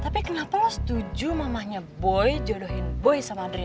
tapi kenapa lo setuju mamahnya boy jodohin boy sama adria